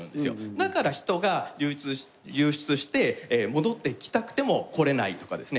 だから人が流出して戻ってきたくてもこれないとかですね